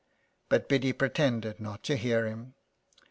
But Biddy pretended not to hear him.